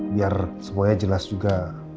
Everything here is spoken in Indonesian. biar semuanya jelas juga